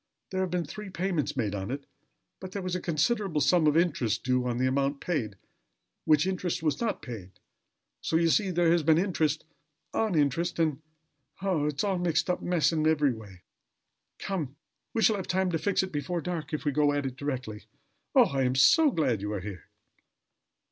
There have been three payments made on it: but there was a considerable sum of interest due on the amount paid, which interest was not paid. So, you see, there has been interest on interest, and Oh! it is a mixed up mess in every way. Come; we shall have time to fix it before dark, if we go at it directly. Oh! I am so glad you are here!"